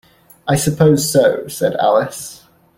‘I suppose so,’ said Alice.